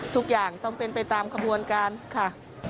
ทุกอย่างต้องเป็นไปตามขบวนการค่ะ